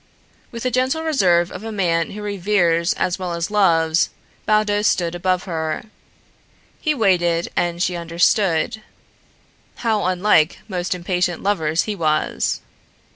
With the gentle reserve of a man who reveres as well as loves, Baldos stood above her. He waited and she understood. How unlike most impatient lovers he was!